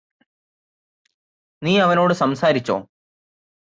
നീയവനോട് സംസാരിച്ചോ